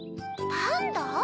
パンダ？